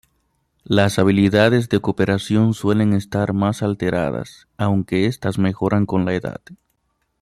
Las habilidades de cooperación suelen estar más alteradas, aunque estas mejoran con la edad.